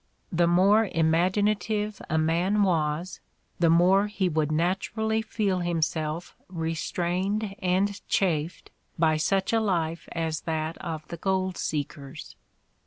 The more imaginative a man was the more he would naturally feel himself restrained and chafed by such a life as that of the gold seekers.